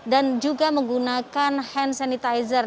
dan juga menggunakan hand sanitizer